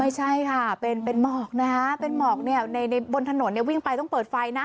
ไม่ใช่ค่ะเป็นหมอกนะฮะเป็นหมอกเนี่ยในบนถนนเนี่ยวิ่งไปต้องเปิดไฟนะ